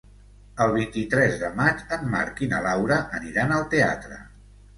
El vint-i-tres de maig en Marc i na Laura aniran al teatre.